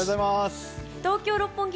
東京・六本木